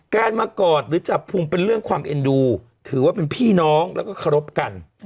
มากอดหรือจับภูมิเป็นเรื่องความเอ็นดูถือว่าเป็นพี่น้องแล้วก็เคารพกัน